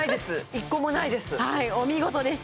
一個もないです